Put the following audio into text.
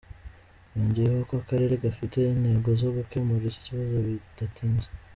Yongeyeho ko akarere gafite intego zo gukemura iki kibazo bidatinze.